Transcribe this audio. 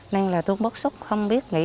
nên là tôi bất xúc không biết nghĩ